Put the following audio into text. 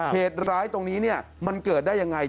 เหตุร้ายตรงนี้มันเกิดได้ยังไง